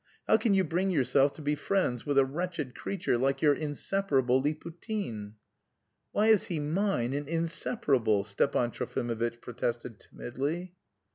How can you bring yourself to be friends with a wretched creature like your inseparable Liputin?" "Why is he mine and inseparable?" Stepan Trofimovitch protested timidly.